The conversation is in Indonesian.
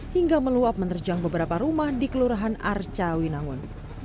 hingga meluap menerjang beberapa rumah di kelurahan arcawinangun